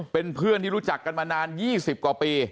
เป็นเพื่อนที่รู้จักกันมานาน๒๐กว่าปี